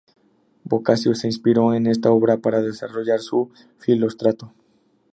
Boccaccio se inspiró en esta obra para desarrollar su "Filóstrato".